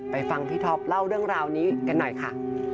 ฟังพี่ท็อปเล่าเรื่องราวนี้กันหน่อยค่ะ